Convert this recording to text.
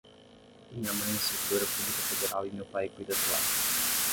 Minha mãe é servidora pública federal e meu pai cuida do lar